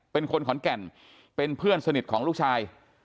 เป็นคนขอนแก่นเป็นเพื่อนสนิทของลูกชาย